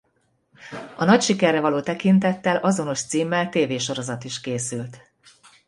A nagy sikerre való tekintettel azonos címmel tévésorozat is készült.